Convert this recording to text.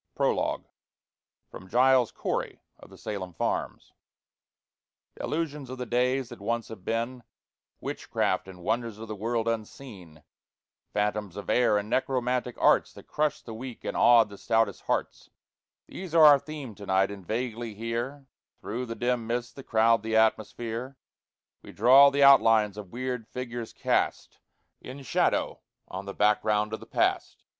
PROLOGUE From "Giles Corey of the Salem Farms" Delusions of the days that once have been, Witchcraft and wonders of the world unseen, Phantoms of air, and necromantic arts That crushed the weak and awed the stoutest hearts, These are our theme to night; and vaguely here, Through the dim mists that crowd the atmosphere, We draw the outlines of weird figures cast In shadow on the background of the Past.